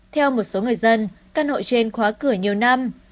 theo một số người dân căn hộ trên khóa cửa nhiều năm